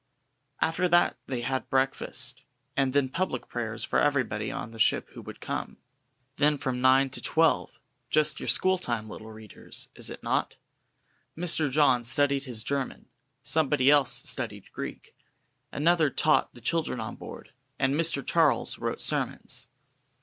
After that they had breakfast, and then public prayers for everybody on the ship who would come. Then from nine to twelve just your school time, little readers, is it not? Mr. John studied his German; somebody else studied Greek, another taught the children on board, and Mr. Charles wrote sermons.